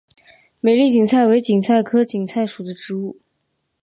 美丽堇菜为堇菜科堇菜属的植物。